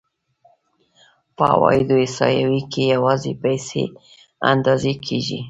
په عوایدو احصایو کې یوازې پیسې اندازه کېږي